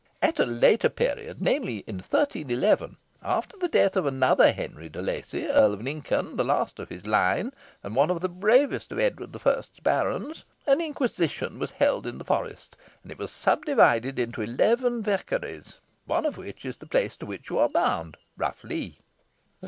At a later period, namely in 1311, after the death of another Henry de Lacy, Earl of Lincoln, the last of his line, and one of the bravest of Edward the First's barons, an inquisition was held in the forest, and it was subdivided into eleven vaccaries, one of which is the place to which you are bound, Rough Lee."